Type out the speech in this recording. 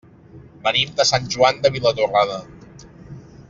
Venim de Sant Joan de Vilatorrada.